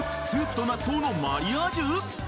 スープと納豆のマリアージュ！？